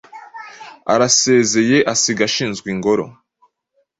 arasezeyeasiga ashinzwe ingoro